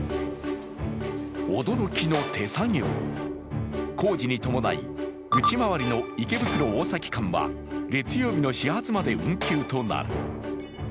驚きの手作業、工事に伴い内回りの池袋・大崎間は月曜日の始発まで運休となる。